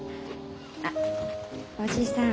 あっおじさん。